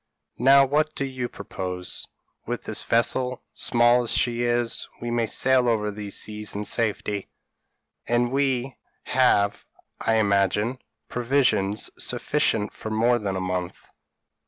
Now what do you propose? With this vessel, small as she is, we may sail over these seas in safety, and we have, I imagine, provisions sufficient for more than a month."